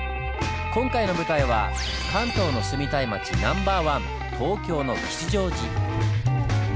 今回の舞台は関東の住みたい街ナンバーワン東京の吉祥寺。